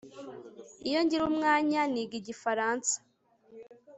Iyo ngira umwanya niga igifaransa